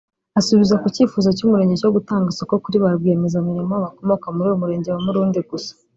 Asubiza ku cyifuzo cy’Umurenge cyo gutanga isoko kuri barwiyemezamirimo bakomoka muri uyu murenge wa Murundi gusa